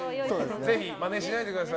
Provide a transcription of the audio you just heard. ぜひ、まねしないでください。